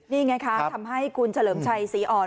นี่ไงคะทำให้คุณเฉลิมชัยศรีอ่อน